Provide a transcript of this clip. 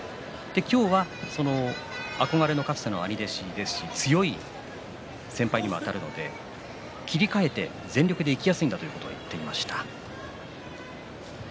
今日は憧れのかつての兄弟子ですし強い先輩にあたるので切り替えて全力でいきやすいということを言っていました。